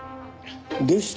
でした？